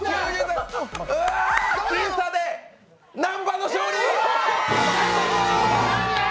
僅差で南波の勝利！